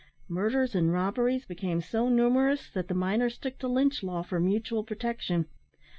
Murders and robberies became so numerous, that the miners took to Lynch law for mutual protection.